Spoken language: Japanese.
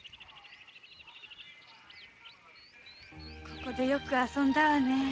ここでよく遊んだわねぇ。